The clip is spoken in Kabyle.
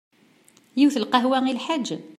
Yiwet n lqahwa i lḥaǧ?